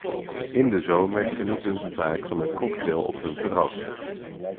In de zomer genieten ze vaak van een cocktail op hun terras.